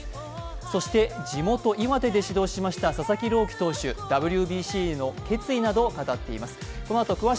そして、地元・岩手で始動しました佐々木朗希投手、ＷＢＣへの決意などを語っています。